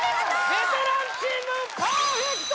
ベテランチームパーフェクト！